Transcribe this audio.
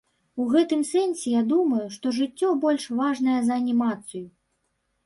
У гэтым сэнсе я думаю, што жыццё больш важнае за анімацыю.